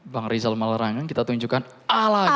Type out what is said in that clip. bang rizal melarang kita tunjukkan a lagi